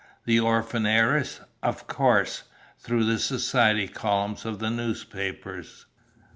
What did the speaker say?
"The orphan heiress? Of course; through the society columns of the newspapers."